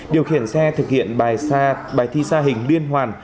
điều khiển xe thực hiện bài thi xa hình liên hoàn